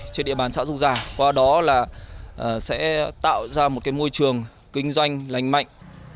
trên địa bàn xã du già qua đó là sẽ tạo ra một môi trường kinh doanh lành mạnh